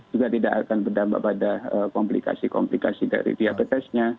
juga tidak akan berdampak pada komplikasi komplikasi dari diabetesnya